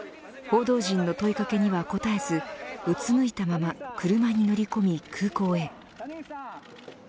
報道陣の問い掛けには答えずうつむいたまま車に乗り込み空港へ。